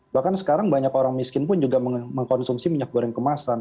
bahkan sekarang banyak orang miskin pun juga mengkonsumsi minyak goreng kemasan